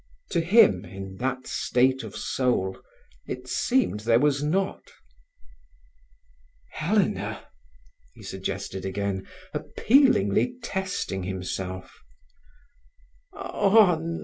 To him, in that state of soul, it seemed there was not. "Helena!" he suggested again, appealingly testing himself.